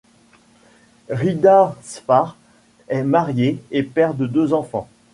Ridha Sfar est marié et père de deux enfants.